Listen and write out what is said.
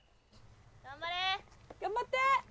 頑張れ！頑張って！